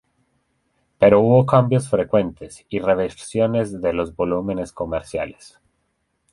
Pero hubo cambios frecuentes y reversiones de los volúmenes comerciales.